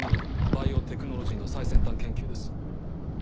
バイオテクノロジーの最先端研究です。